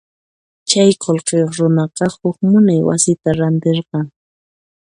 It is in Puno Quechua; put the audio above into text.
Chay qullqiyuq runaqa huk munay wasita rantirqan.